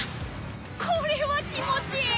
これは気持ちええ！